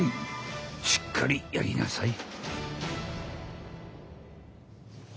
しっかりやりなさい。